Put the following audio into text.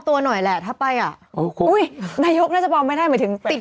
ติดหนวดอะไรแบบนี้ได้ไหมคะ